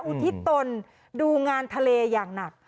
อุทิศตนดูงานทะเลอย่างหนัก